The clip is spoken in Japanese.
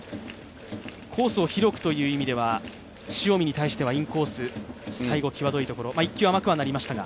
コースを広くという意味では塩見に対してはインコース、最後際どいところ、１球甘くはなりましたが。